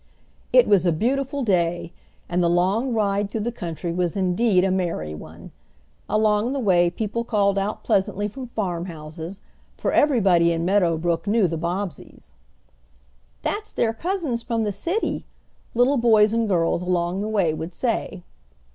It was a beautiful day, and the long ride through the country was indeed a merry one. Along the way people called out pleasantly from farmhouses, for everybody in Meadow Brook knew the Bobbseys. "That's their cousins from the city," little boys and girls along the way would say.